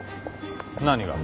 何が？